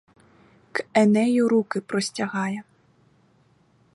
К Енею руки простягає